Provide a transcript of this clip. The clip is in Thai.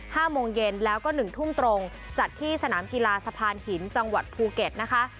โมงเย็นแล้วก็หนึ่งทุ่มตรงจัดที่สนามกีฬาสะพานหินจังหวัดภูเก็ตนะคะ